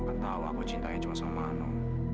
tidak tahu aku cintanya cuma sama anu